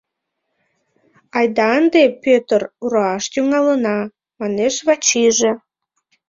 — Айда ынде, Пӧтыр, руаш тӱҥалына! — манеш Вачийже.